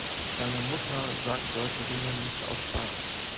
Deine Mutter sagt solche Dinge nicht aus Spaß.